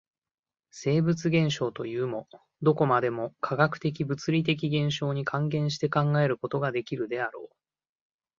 生物現象というも、どこまでも化学的物理的現象に還元して考えることができるであろう。